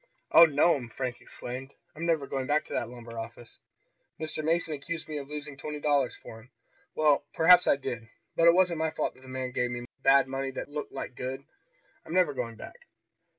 "Oh, no'm!" Frank exclaimed. "I'm never going back to that lumber office. Mr. Mason accused me of losing twenty dollars for him. Well perhaps I did, but it wasn't my fault that the man gave me bad money that looked like good. I'm never going back!"